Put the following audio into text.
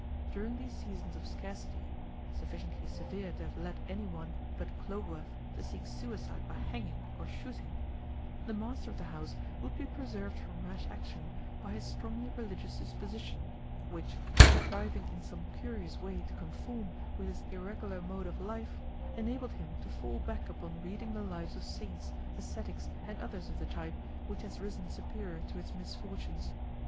During these seasons of scarcity (sufficiently severe to have led any one but Khlobuev to seek suicide by hanging or shooting), the master of the house would be preserved from rash action by his strongly religious disposition, which, contriving in some curious way to conform with his irregular mode of life, enabled him to fall back upon reading the lives of saints, ascetics, and others of the type which has risen superior to its misfortunes.